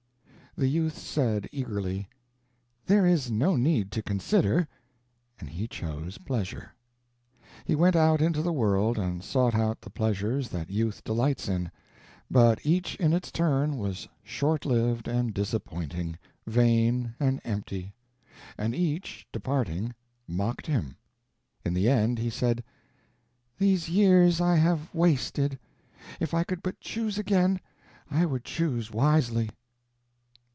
The youth said, eagerly: "There is no need to consider"; and he chose Pleasure. He went out into the world and sought out the pleasures that youth delights in. But each in its turn was short lived and disappointing, vain and empty; and each, departing, mocked him. In the end he said: "These years I have wasted. If I could but choose again, I would choose wisely."